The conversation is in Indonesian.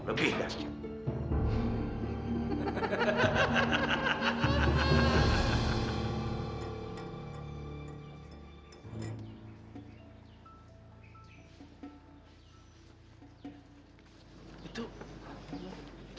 lo hubungi aku